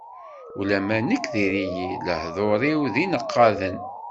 Ulamma nekk diri-yi, lehdur-iw d ineqqaden.